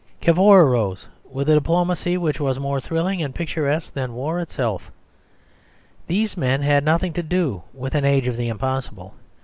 Cavour arose with a diplomacy which was more thrilling and picturesque than war itself. These men had nothing to do with an age of the impossible.